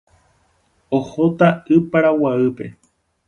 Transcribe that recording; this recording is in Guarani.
Ohóta Y Paraguaýpe.